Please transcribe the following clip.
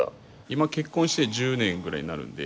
今結婚して１０年ぐらいになるので。